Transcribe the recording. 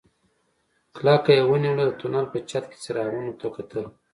کلکه يې ونيوله د تونل په چت کې څراغونو ته کتل.